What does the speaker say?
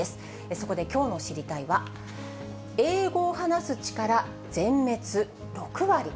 そこできょうの知りたいッ！は英語を話す力全滅６割。